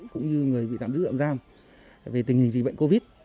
cũng như người bị tạm giữ tạm giam về tình hình dịch bệnh covid